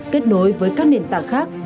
kết nối với các nền tảng khác